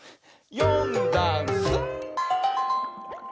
「よんだんす」